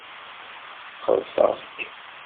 Xellṣeɣ-k.